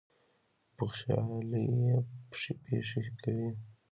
بخْشالۍ یې پېښې کوي.